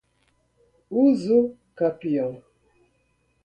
usucapião